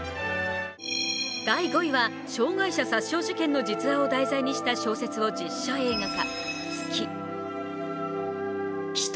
第５位は障害者殺傷事件の実話を題材にした小説を実写映画化。